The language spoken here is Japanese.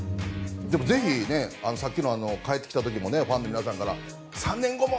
ぜひ、さっきの帰ってきた時もファンの皆さんから３年後も！